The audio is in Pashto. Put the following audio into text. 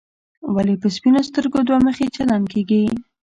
ولې په سپینو سترګو دوه مخي چلن کېږي.